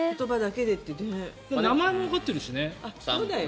自分の名前もわかってるしね。